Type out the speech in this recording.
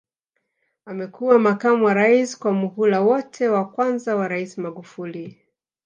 Amekuwa makamu wa Rais kwa muhula wote wa kwanza wa Rais Magufuli